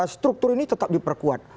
struktur ini tetap diperkuat